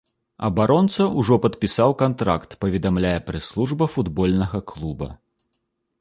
Абаронца ўжо падпісаў кантракт, паведамляе прэс-служба футбольнага клуба.